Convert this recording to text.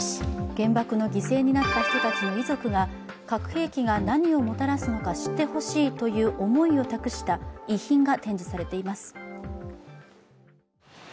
原爆の犠牲になった人たちの遺族が、核兵器が何をもたらすかを知ってほしいという思いを託した遺品が展示されています。